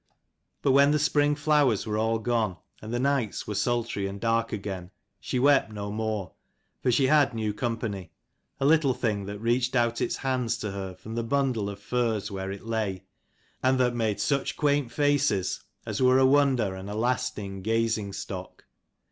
But when the spring flowers were all gone and the nights were sultry and dark again, she wept no more: for she had new company: a little thing that reached out its hands to her from the bundle of furs where it lay, and that made such quaint faces as were a wonder and a lasting gazing stock.